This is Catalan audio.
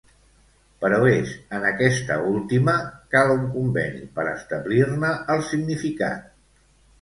Però és en aquesta última cal un conveni per establir-ne el significat.